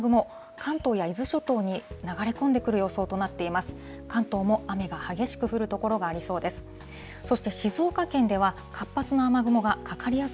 関東も雨が激しく降る所がありそうです。